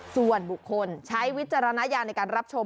ส่วนบุคคลใช้วิจารณญาณในการรับชม